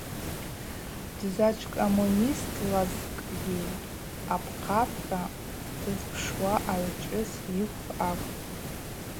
Дзачӏвкоммунистызлакӏгьи апхъапхъа дызпшуа агӏвычӏвгӏвыс йыхв акӏвпӏ.